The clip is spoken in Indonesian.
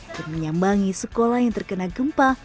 dan menyambangi sekolah yang terkena gempa